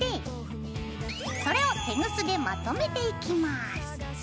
それをテグスでまとめていきます。